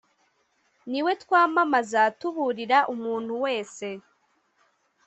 Ni we twamamaza tuburira umuntu wese